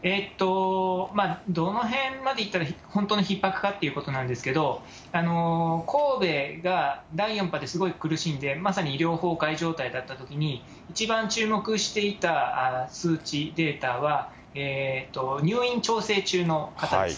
どのへんまでいったら本当のひっ迫かということなんですけど、神戸が第４波ですごい苦しんで、まさに医療崩壊状態だったときに、一番注目していた数値、データは、入院調整中の方です。